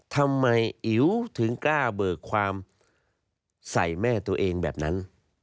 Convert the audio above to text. ทำไมอิ๋วถึงกล้าเบิกความใส่แม่ตัวเองแบบนั้น